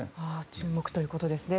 注目ということですね。